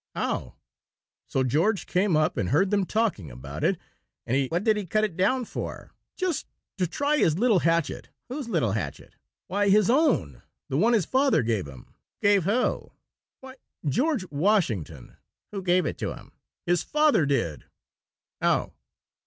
"Oh!" "So George came up and heard them talking about it, and he " "What did he cut it down for?" "Just to try his little hatchet." "Whose little hatchet?" "Why, his own; the one his father gave him." "Gave who?" "Why, George Washington." "Who gave it to him?" "His father did." "Oh!"